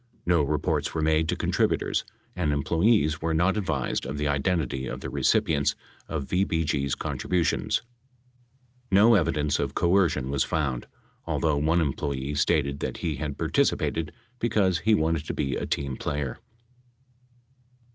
No reports were made to contributors, and employees were not advised of the identity of the recipients of VBG's contributions. No evidence of coercion was found, although one em ployee stated that he had participated because he wanted to be a team player.